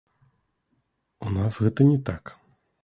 У нас гэта не так.